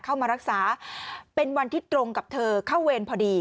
เข้ามารักษาเป็นวันที่ตรงกับเธอเข้าเวรพอดี